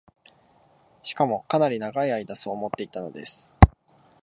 しかも、かなり永い間そう思っていたのです